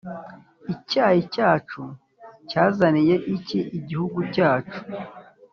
Icyayi cyacu cyazaniye iki igihugu cyacu?